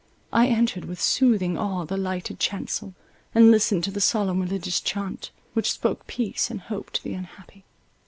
I entered with soothing awe the lighted chancel, and listened to the solemn religious chaunt, which spoke peace and hope to the unhappy.